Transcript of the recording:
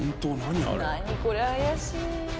何これ怪しい。